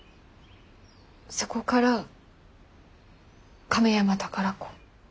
そこから亀山宝子。